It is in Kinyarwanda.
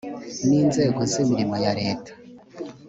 ni inzego z’imirimo ya leta